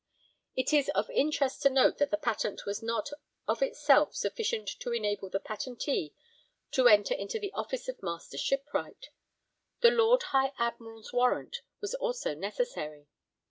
It is of interest to note that the patent was not of itself sufficient to enable the patentee to enter into the office of Master Shipwright; the Lord High Admiral's warrant was also necessary.